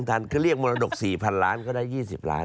คือเรียกมรดก๔๐๐ล้านก็ได้๒๐ล้าน